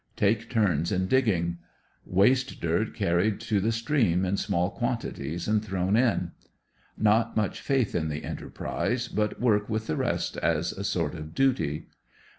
Take turns in digging. Waste dirt carried to the stream in small quantities and thrown in. Not much faith in the enterprise, but work v^ith the rest as a sort of duty.